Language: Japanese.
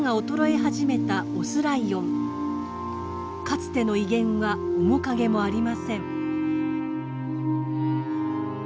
かつての威厳は面影もありません。